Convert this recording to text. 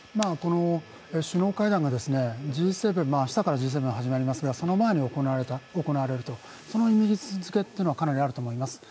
首脳会談が明日からＧ７が始まりますが、その前に行われると、その位置づけというのはかなりあると思います。